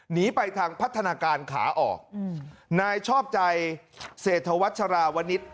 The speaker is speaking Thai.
หนีไปทางพัฒนาการขาออกนายชอบใจเศรษฐวัชราวนิษฐ์